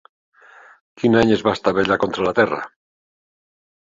Quin any es va estavellar contra la terra?